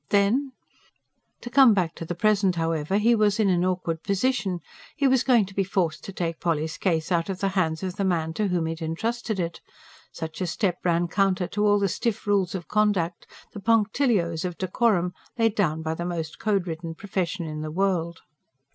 then ... To come back to the present, however, he was in an awkward position: he was going to be forced to take Polly's case out of the hands of the man to whom he had entrusted it. Such a step ran counter to all the stiff rules of conduct, the punctilios of decorum, laid down by the most code ridden profession in the world.